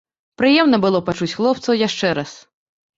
Прыемна было пачуць хлопцаў яшчэ раз.